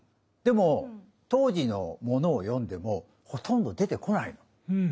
でも当時のものを読んでもほとんど出てこない。